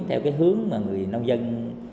theo cái hướng mà người nông dân